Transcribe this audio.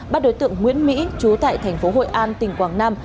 bắt đối tượng nguyễn mỹ trú tại tp hội an tỉnh quảng nam